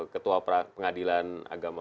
ketua pengadilan agama